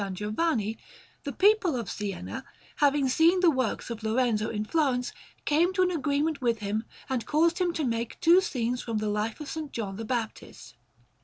Giovanni, the people of Siena, having seen the works of Lorenzo in Florence, came to an agreement with him and caused him to make two scenes from the life of S. John the Baptist.